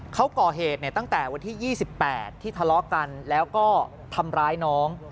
เขาก่อเหตุตั้งแต่วันที่๒๘ที่ทะเลาะกันแล้วก็ทำร้ายน้อง